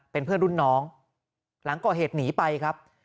เป็นเพื่อนรุ่นน้องหลังก่อเหตุหนีไปครับ